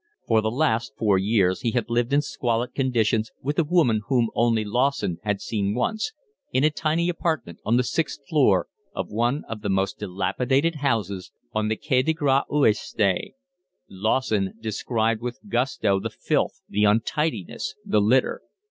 For the last four years he had lived in squalid conditions with a woman whom only Lawson had once seen, in a tiny apartment on the sixth floor of one of the most dilapidated houses on the Quai des Grands Augustins: Lawson described with gusto the filth, the untidiness, the litter.